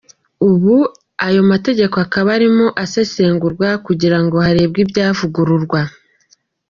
Ubu ayo mategeko akaba arimo asesengurwa kugira ngo harebwe ibyavugururwa.